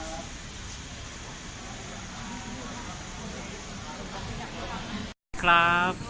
เยอะเร็วเลยครับ